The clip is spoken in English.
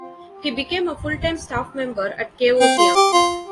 He became a full-time staff member at Chaosium.